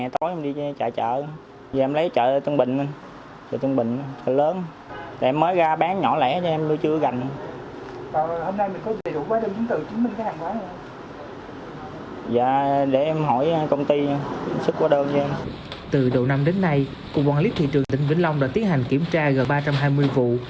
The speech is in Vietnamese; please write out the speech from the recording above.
từ đầu năm đến nay quản lý thị trường tỉnh vĩnh long đã tiến hành kiểm tra gần ba trăm hai mươi vụ